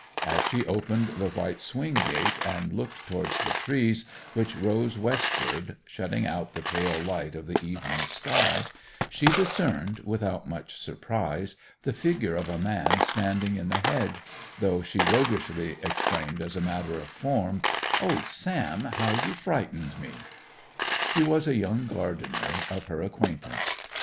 As she opened the white swing gate and looked towards the trees which rose westward, shutting out the pale light of the evening sky, she discerned, without much surprise, the figure of a man standing in the hedge, though she roguishly exclaimed as a matter of form, 'Oh, Sam, how you frightened me!' He was a young gardener of her acquaintance.